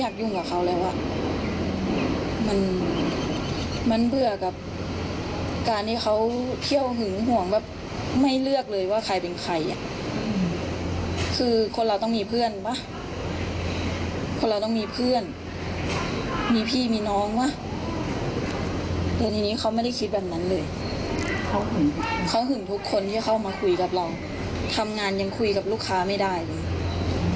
เขาหึงทุกคนที่เข้ามาคุยกับเราทำงานยังคุยกับลูกค้าไม่ได้เลย